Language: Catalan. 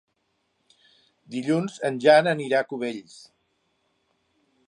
Dilluns en Jan anirà a Cubells.